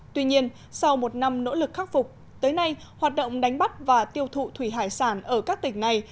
tuy nhiên sau một năm nỗ lực khắc phục tới nay hoạt động đánh bắt và tiêu thụ thủy hải sản ở các tỉnh này